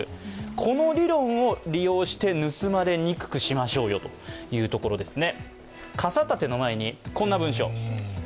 この理論を利用して盗まれにくくしましょうよというところですね。